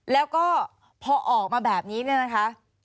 แล้วก็พอออกมาแบบนี้นะคะ